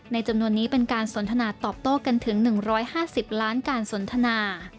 จำนวนนี้เป็นการสนทนาตอบโต้กันถึง๑๕๐ล้านการสนทนา